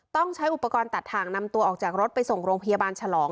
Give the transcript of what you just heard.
ต้องใช้อุปกรณ์ตัดถ่างนำตัวออกจากรถไปส่งโรงพยาบาลฉลอง